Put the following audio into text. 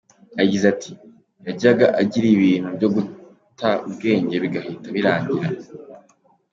Yagize atYajyaga agira ibintu byo guta ubwenge bigahita birangira.